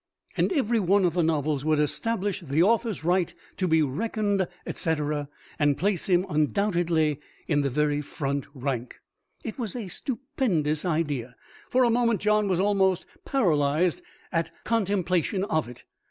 And every one of the novels would establish the author's right to be reckoned, etc., and place him undoubtedly in the very front rank. It was a stupendous idea. For a moment John was almost paralysed at contemplation of it.